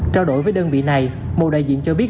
trao đổi với đơn vị này một đại diện cho biết